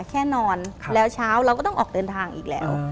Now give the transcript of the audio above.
แค่นอนแล้วเช้าเราก็ต้องออกเดินทางอีกแล้ว